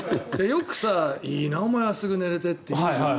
よく、いいなお前はすぐ寝れてって言うじゃん。